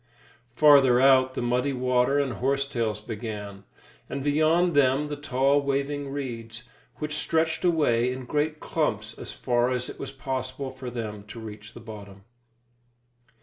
Farther out, the muddy water and horsetails began, and beyond them the tall, waving reeds, which stretched away in great clumps as far as it was possible for them to reach the bottom.